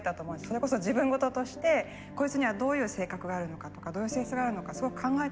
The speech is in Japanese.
それこそ自分事としてこいつにはどういう性格があるのかとかどういう性質があるのかすごく考えたと思うんですね。